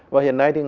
và hiện nay thì nga